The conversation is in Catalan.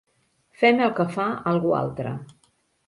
Fem el que fa algú altre.